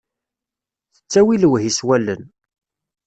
Tettawi lewhi s wallen.